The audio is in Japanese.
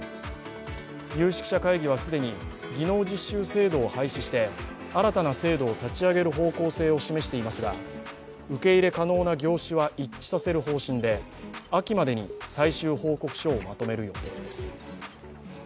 有識者会議は既に、技能実習制度を廃止して新たな制度を立ち上げる方向性を示していますが、受け入れ可能な業種は一致させる方針で秋までに最終報告書をまとめる予定です。